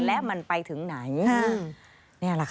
และมันไปถึงไหน